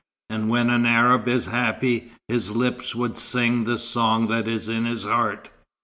"And when an Arab is happy, his lips would sing the song that is in his heart.